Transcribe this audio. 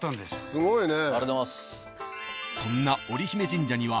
すごいね。